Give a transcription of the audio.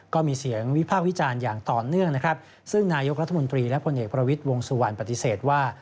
ก็มีเสียงวิพากษ์วิจารณ์อย่างต่อเนื่องนะครับซึ่งนายกรัฐมนตรีและผลเอกประวิทย์วงสุวรรณปฏิเสธว่า